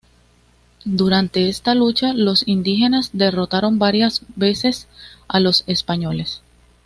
Durante esta lucha, los indígenas derrotaron varias veces a los españoles.